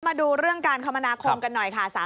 มาดูเรื่องการคมนาคมกันหน่อยค่ะ